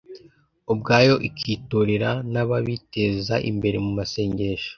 ubwayo ikitorera n’ababiteza imbere mumasengesho